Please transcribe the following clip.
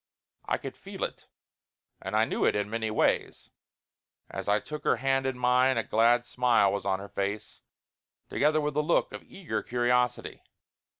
I could feel it, and I knew it in many ways. As I took her hand in mine, a glad smile was on her face, together with a look of eager curiosity.